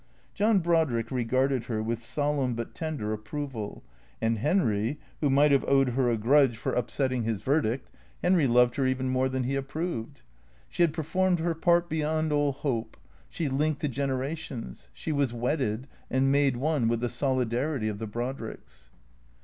John Brodrick regarded her with solemn but tender approval, and Henry (who might have owed her a grudge for upsetting 323 324 THECEEATORS his verdict), Henry loved her even more than he approved. She had performed her part heyond all hope ; she linked the genera tions; she was wedded and made one with the solidarity of the Brodricks.